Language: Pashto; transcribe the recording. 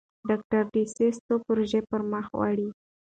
ډاکټر ډسیس څو پروژې پرمخ وړي.